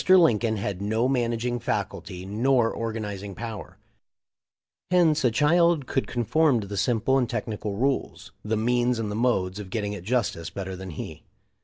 Lin coln had no managing faculty nor organizing power; hence a child could conform to the simple and tech nical rules, the means and the modes of getting at justice better than he.